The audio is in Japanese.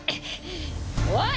おい！